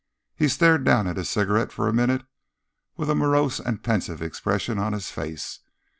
He stared down at his cigarette for a minute with a morose and pensive expression on his face.